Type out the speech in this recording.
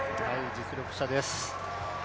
実力者です。